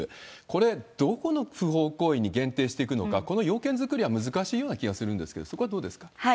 これ、どこの不法行為に限定していくのか、この要件作りは難しいような気がするんですけど、そこはどうですか？